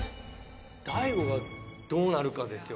大吾がどうなるかですよね。